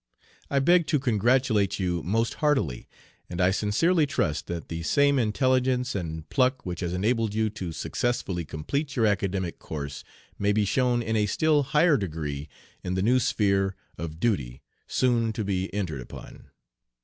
I beg to congratulate you most heartily, and I sincerely trust that the same intelligence and pluck which has enabled you to successfully complete your academic course may be shown in a still higher degree in the new sphere of duty soon to be entered upon.